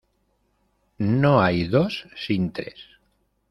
No hay dos sin tres.